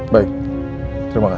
baik terima kasih